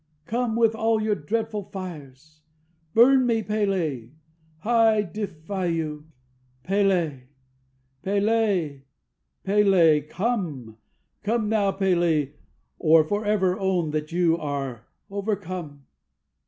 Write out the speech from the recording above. Come, with all your dreadful fires! Burn me, P├®l├®! I defy you! P├®l├®! P├®l├®! P├®l├®! come!" Come now, P├®l├®, or for ever own that you are overcome!